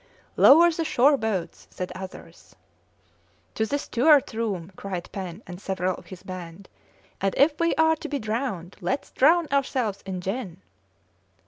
"Lower the shore boats!" said others. "To the steward's room!" cried Pen and several of his band, "and if we are to be drowned, let's drown ourselves in gin!"